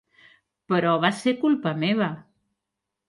Però va ser culpa meva.